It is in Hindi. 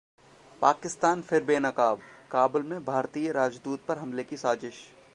पाकिस्तान फिर बेनकाब: काबुल में भारतीय राजदूत पर हमले की साजिश